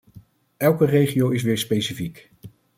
Elke regio is weer specifiek.